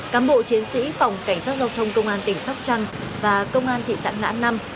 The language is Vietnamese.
công an tỉnh sóc trăng và công an thị xã ngã năm